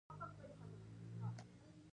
هغه د خپل خوب لپاره مالونه پریږدي.